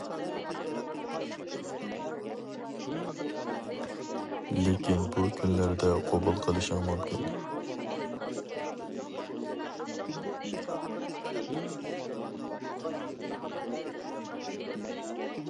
لېكىن بىر كۈنلەردە قوبۇل قىلىشىڭ مۇمكىن.